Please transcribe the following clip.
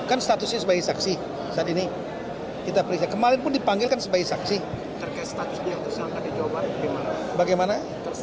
terkait status dia tersangka di jawa barat dia akan langsung disiapkan untuk diperjadikan polda jawa barat